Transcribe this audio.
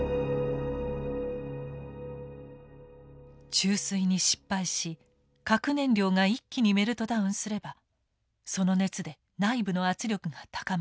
注水に失敗し核燃料が一気にメルトダウンすればその熱で内部の圧力が高まります。